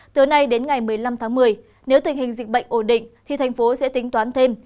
từ nay đến ngày một mươi năm tháng một mươi nếu tình hình dịch bệnh ổn định thì thành phố sẽ tính toán thêm